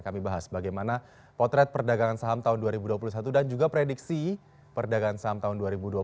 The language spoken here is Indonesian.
kami bahas bagaimana potret perdagangan saham tahun dua ribu dua puluh satu dan juga prediksi perdagangan saham tahun dua ribu dua puluh